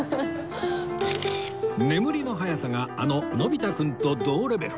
眠りの早さがあののび太君と同レベル